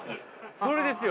それですよ。